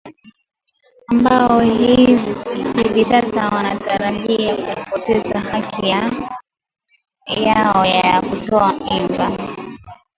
ambao hivi sasa wanatarajia kupoteza haki ya yao ya kutoa mimba